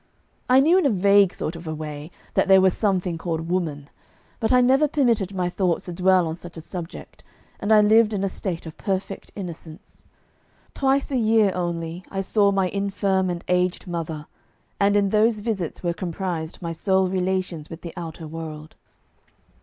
I knew in a vague sort of a way that there was something called Woman, but I never permitted my thoughts to dwell on such a subject, and I lived in a state of perfect innocence. Twice a year only I saw my infirm and aged mother, and in those visits were comprised my sole relations with the outer world.